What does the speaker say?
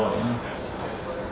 apa yang lainnya